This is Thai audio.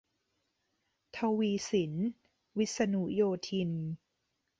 ทวีศิลป์ วิษณุโยธิน